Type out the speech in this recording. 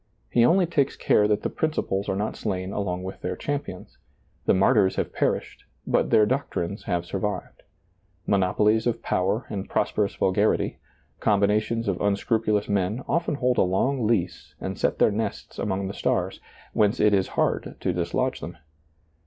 He only takes care that the prin ciples are not slain along with their champions ; the martyrs have perished, but their doctrines have survived. Monopolies of power and pros perous vulgarity, combinations of unscrupulous men, often hold a long lease and set their nests among the stars, whence it is hard to dislodge them.